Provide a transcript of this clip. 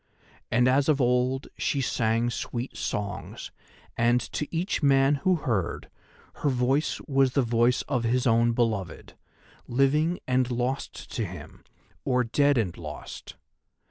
And as of old she sang sweet songs, and, to each man who heard, her voice was the voice of his own beloved, living and lost to him, or dead and lost.